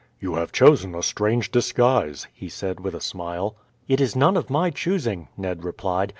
"You have chosen a strange disguise," he said with a smile. "It is none of my choosing," Ned replied.